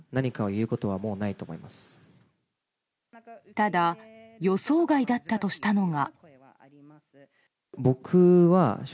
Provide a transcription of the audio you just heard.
ただ予想外だったとしたのが。